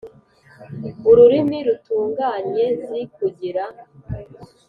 ururimi rutunganye z kugira